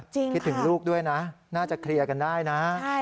คิดถึงลูกด้วยนะน่าจะเคลียร์กันได้นะ